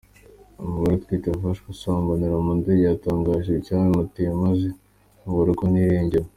Umugore utwite wafashwe asambanira mu ndege yatangaje icyabimuteye maze aburirwa n’irengero.